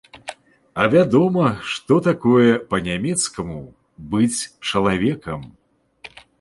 А вядома, што такое па-нямецку быць чалавекам!